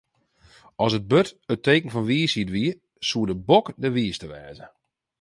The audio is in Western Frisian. As it burd it teken fan wysheid wie, soe de bok de wiiste wêze.